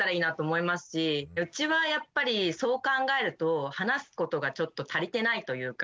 うちはやっぱりそう考えると話すことがちょっと足りてないというか。